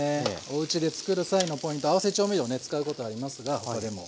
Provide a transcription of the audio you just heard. おうちで作る際のポイント合わせ調味料をね使うことありますがここでも。